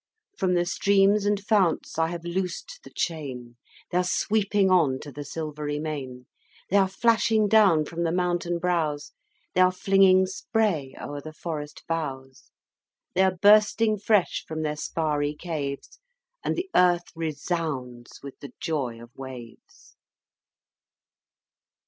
From the streams and founts I have loosed the chain; They are sweeping on to the silvery main. They are flashing down from the mountain brows, They are flinging spray o'er the forest boughs, They are bursting fresh from their sparry caves, And the earth resounds with the joy of waves.